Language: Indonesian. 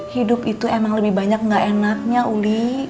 hidup itu emang lebih banyak gak enaknya uli